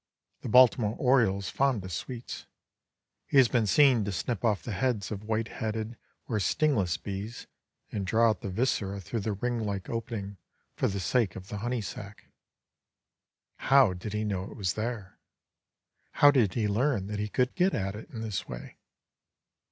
The Baltimore Oriole is fond of sweets. He has been seen to snip off the heads of white headed or stingless bees and draw out the viscera through the ring like opening, for the sake of the honey sack. How did he know it was there? How did he learn that he could get at it in this way?